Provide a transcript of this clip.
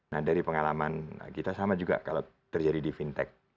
nah dari pengalaman kita sama juga kalau terjadi di fintech